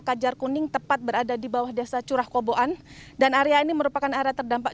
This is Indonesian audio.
kajar kuning tepat berada di bawah desa curah koboan dan area ini merupakan area terdampak